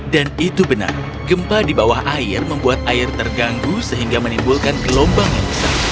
dan itu benar gempa di bawah air membuat air terganggu sehingga menimbulkan gelombang yang besar